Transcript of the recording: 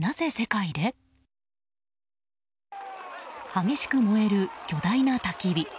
激しく燃える、巨大なたき火。